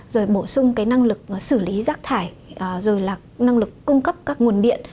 rồi bổ sung cái năng lực xử lý rác thải rồi là năng lực cung cấp các nguồn điện